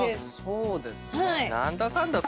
そうですか。